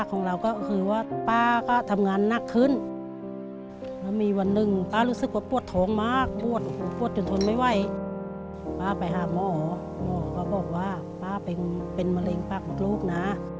เขาบอกว่าป๊าเป็นมะเร็งป๊าของลูกนะ